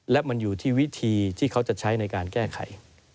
และมันอยู่ที่วิธีที่เขาจะใช้ในการแก้ไข